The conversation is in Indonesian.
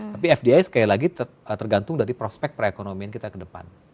tapi fdi sekali lagi tergantung dari prospek perekonomian kita ke depan